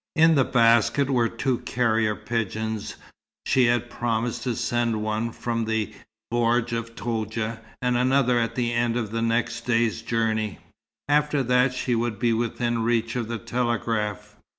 In the basket were two carrier pigeons. She had promised to send one from the Bordj of Toudja, and another at the end of the next day's journey. After that she would be within reach of the telegraph.